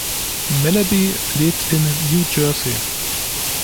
Malaby lebt in New Jersey.